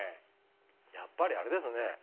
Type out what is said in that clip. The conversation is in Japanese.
やっぱりあれですね